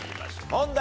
問題